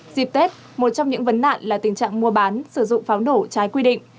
dịp tết một trong những vấn nạn là tình trạng mua bán sử dụng pháo nổ trái quy định